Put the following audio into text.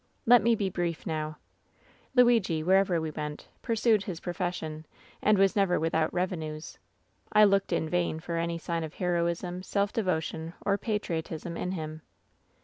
"Let me be brief now. "Luigi, wherever we went, pursued his profession, and was never without ^revenues/ I looked in vain for any sign of heroism, self devotion or patriotism in him.